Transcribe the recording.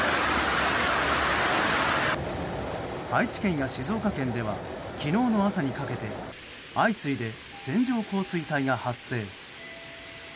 愛知県や静岡県では昨日の朝にかけて相次いで線状降水帯が発生。